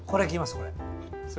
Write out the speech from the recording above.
これ。